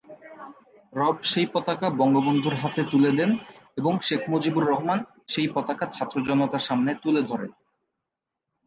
রব সেই পতাকা বঙ্গবন্ধুর হাতে তুলে দেন এবং শেখ মুজিবুর রহমান সেই পতাকা ছাত্র-জনতার সামনে তুলে ধরেন।